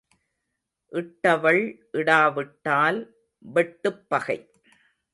இட்டவள் இடா விட்டால் வெட்டுப் பகை.